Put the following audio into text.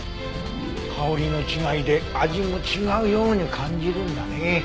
香りの違いで味も違うように感じるんだね。